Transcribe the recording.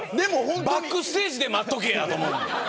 バックステージで待っとけやと思うもん。